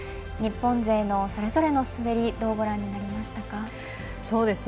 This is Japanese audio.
日本勢のそれぞれの滑りどうご覧になりましたか？